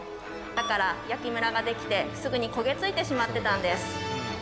だから焼きムラができてすぐにこげついてしまってたんです。